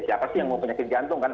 siapa sih yang mau penyakit jantung kan